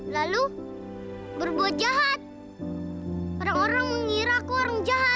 sudah sudah itu kian santang kenapa